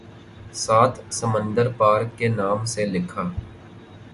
سات سمندر پار کے نام سے لکھا